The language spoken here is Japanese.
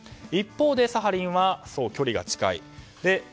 一方でサハリンは距離が近い。